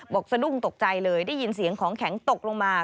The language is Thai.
สะดุ้งตกใจเลยได้ยินเสียงของแข็งตกลงมา